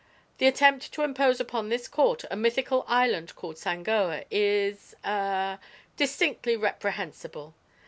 The attempt to impose upon this court a mythical island called Sangoa is eh distinctly reprehensible.